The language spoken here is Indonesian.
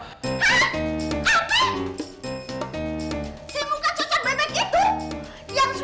si muka cocok bebek itu